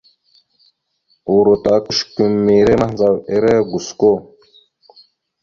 Uro ta kʉsəkumere mahəndzaw ere gosko.